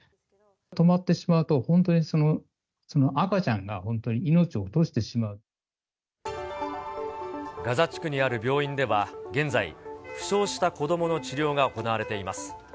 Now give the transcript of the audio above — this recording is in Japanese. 止まってしまうと、本当にその赤ちゃんが本当に命を落としてしまガザ地区にある病院では、現在、負傷した子どもの治療が行われています。